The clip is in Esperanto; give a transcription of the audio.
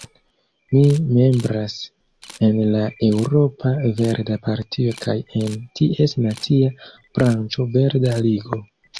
Ŝi membras en la Eŭropa Verda Partio kaj en ties nacia branĉo Verda Ligo.